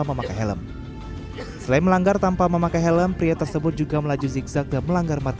memakai helm selain melanggar tanpa memakai helm pria tersebut juga melaju zigzag dan melanggar